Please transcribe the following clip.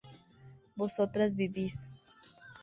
vosotras vivís